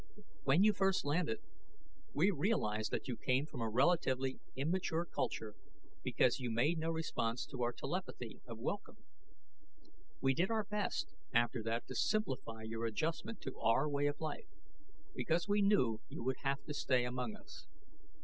"When you first landed, we realized that you came from a relatively immature culture because you made no response to our telepathy of welcome. We did our best after that to simplify your adjustment to our way of life, because we knew you would have to stay among us.